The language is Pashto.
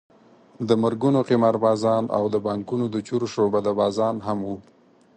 د مرګونو قماربازان او د بانکونو د چور شعبده بازان هم وو.